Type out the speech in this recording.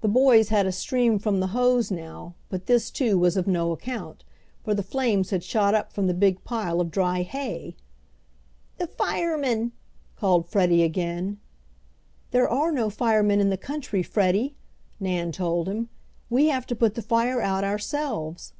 The boys had a stream from the hose now, but this too was of no account, for the flames had shot up from the big pile of dry hay! "The firemen!" called Freddie again. "There are no firemen in the country, Freddie," Nan told him. "We have to put the fire out ourselves."